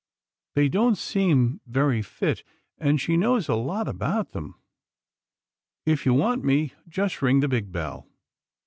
They don't seem very fit, and she knows a lot about them. If you want me, just ring the big bell.